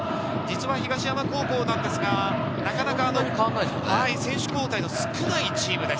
東山高校なんですが、なかなか選手交代の少ないチームです。